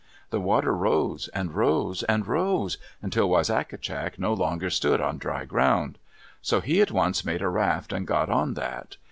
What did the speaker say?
The water rose, and rose, and rose, until Wisagatcak no longer stood on dry ground. So he at once made a raft and got on that.